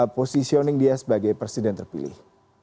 positioning dia sebagai presiden terpilih